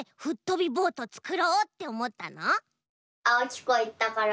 あおきこいったから。